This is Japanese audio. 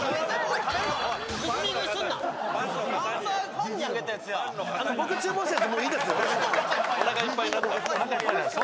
ファンにあげたやつや。